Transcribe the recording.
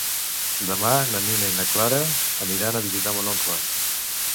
Demà na Nina i na Clara iran a visitar mon oncle.